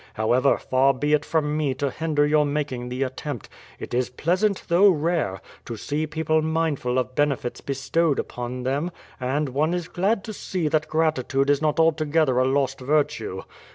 However, far be it from me to hinder your making the attempt. It is pleasant, though rare, to see people mindful of benefits bestowed upon them, and one is glad to see that gratitude is not altogether a lost virtue.